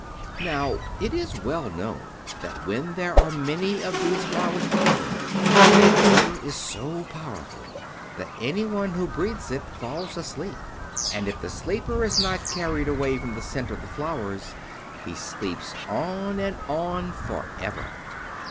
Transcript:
Now it is well known that when there are many of these flowers together their odor is so powerful that anyone who breathes it falls asleep, and if the sleeper is not carried away from the scent of the flowers, he sleeps on and on forever.